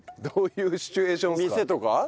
どういうシチュエーションっすか？